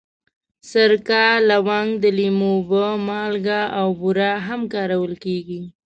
سرکه، لونګ، د لیمو اوبه، مالګه او بوره هم کارول کېږي.